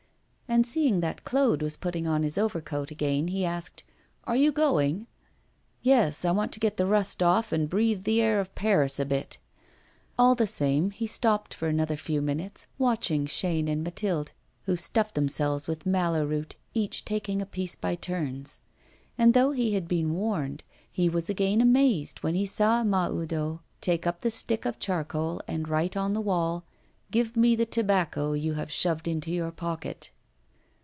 And, seeing that Claude was putting on his overcoat again, he asked: 'Are you going?' 'Yes. I want to get the rust off, and breathe the air of Paris a bit.' All the same, he stopped for another few minutes watching Chaîne and Mathilde, who stuffed themselves with mallow root, each taking a piece by turns. And though he had been warned, he was again amazed when he saw Mahoudeau take up the stick of charcoal and write on the wall: 'Give me the tobacco you have shoved into your pocket.